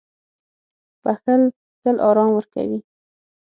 • بښل تل آرام ورکوي.